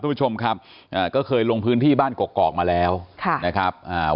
คุณผู้ชมครับอ่าก็เคยลงพื้นที่บ้านกกอกมาแล้วค่ะนะครับอ่า